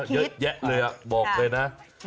เยอะแยะเลยบอกเลยนะ